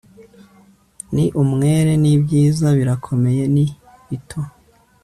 Ni umwere nibyiza birakomeye ni bito